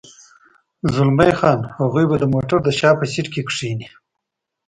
زلمی خان: هغوی به د موټر د شا په سېټ کې کېني.